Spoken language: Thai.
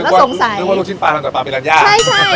เมื่อก็รู้ชินปลาก็จะเป็นปลาปิลัญญา